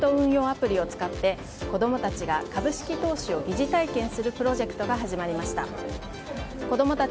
アプリを使って子供たちが株式投資を疑似体験するプロジェクトが始まりました。